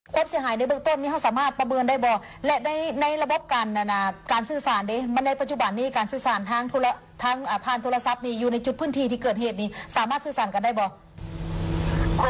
ความเสียหายในเบื้องต้นนี้เขาสามารถประเมินได้บอกและในระบบการนานาการการสื่อสารในปัจจุบันนี้การสื่อสารทางผ่านโทรศัพท์นี้อยู่ในจุดพื้นที่ที่เกิดเหตุนี้สามารถสื่อสารกันได้บอก